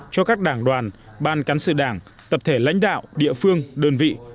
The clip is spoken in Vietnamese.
cho các đảng đoàn ban cán sự đảng tập thể lãnh đạo địa phương đơn vị